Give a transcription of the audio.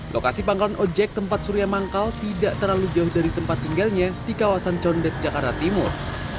lokasi pangkalan ojek tempat surya manggal tidak terlalu jauh dari tempat tinggalnya di kawasan condet jakarta timur